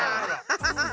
ハハハッ。